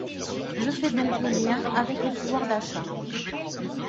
Je fais donc le lien avec le pouvoir d’achat.